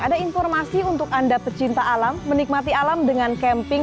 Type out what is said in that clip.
ada informasi untuk anda pecinta alam menikmati alam dengan camping